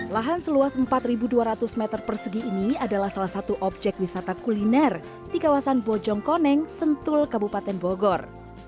lahan seluas empat dua ratus meter persegi ini adalah salah satu objek wisata kuliner di kawasan bojong koneng sentul kabupaten bogor